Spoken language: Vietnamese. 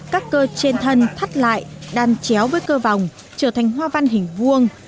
các cơ trên thân thắt lại đan chéo với cơ vòng trở thành hoa văn hình vuông